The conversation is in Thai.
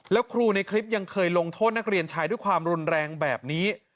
แล้วครูในคลิปยังเคยลงโทษนักเรียนชายด้วยความรุนแรงแบบนี้